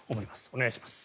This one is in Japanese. お願いします。